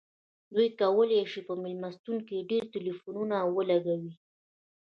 دوی کولی شي په میلمستون کې ډیر ټیلیفونونه ولګوي